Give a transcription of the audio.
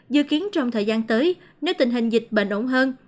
dự kiến trong thời gian tới nếu tình hình dịch bệnh ổn hơn